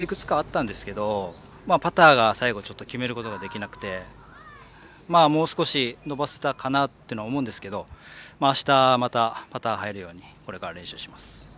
チャンスはいくつかあったんですけどパターが最後決めることができなくてもう少し、伸ばせたかなとは思うんですけどあした、またパター入るようにこれから練習します。